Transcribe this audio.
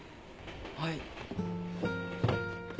はい。